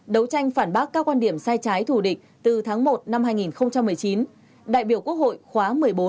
đấu tranh phản bác các quan điểm sai trái thù địch từ tháng một năm hai nghìn một mươi chín đại biểu quốc hội khóa một mươi bốn